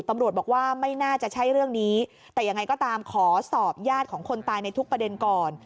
ตำรวจบอกว่าไม่น่าจะใช่เรื่องนี้แต่ยังไงก็ตามขอสอบญาติของคนตายในทุกประเด็นก่อน